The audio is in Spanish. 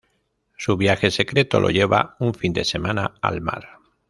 Su viaje secreto lo lleva un fin de semana al mar.